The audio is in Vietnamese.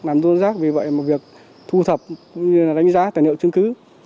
làm dồn rác vì vậy việc thu thập đánh giá tài liệu chứng cứ